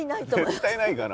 絶対ないかな。